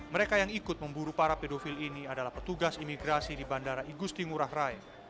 mereka yang ikut memburu para pedofil ini adalah petugas imigrasi di bandara igusti ngurah rai